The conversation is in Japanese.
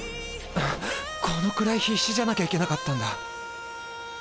あっこのくらい必死じゃなきゃいけなかったんだ。